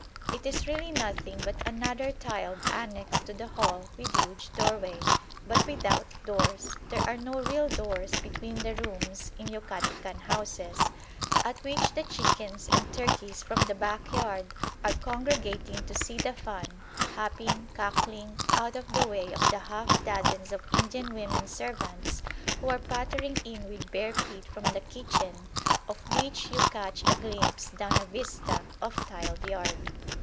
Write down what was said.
It is really nothing but another tiled annexe to the hall with huge doorway, but without doors (there are no real doors between the rooms in Yucatecan houses), at which the chickens and turkeys from the back yard are congregating to see the fun, hopping, cackling, out of the way of the half dozens of Indian women servants who are pattering in with bare feet from the kitchen of which you catch a glimpse down a vista of tiled yard.